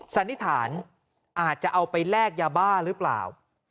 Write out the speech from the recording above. สันนิษฐานอาจจะเอาไปแลกยาบ้าหรือเปล่า